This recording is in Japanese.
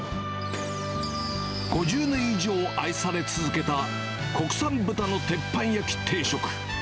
５０年以上愛され続けた国産豚の鉄板焼き定食。